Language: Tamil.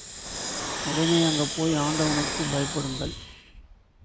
உடனே அங்கே போய் ஆண்டவனுக்குப் பயப்படுங்கள்.